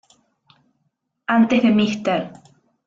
Antes de Mr.